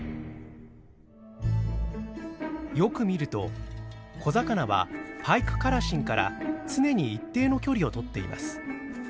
よく見ると小魚はパイクカラシンから常に一定の距離をとっています。